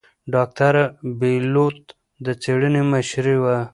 ډاکتره بېلوت د څېړنې مشرې وه.